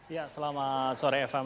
ya selama sore fm